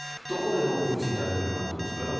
どこでプーチン大統領が納得するか。